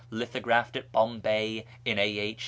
Lithographed at Bombay in A.H.